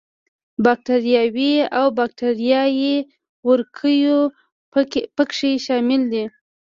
باکټریاوې او باکټریايي وارکیو په کې شامل دي.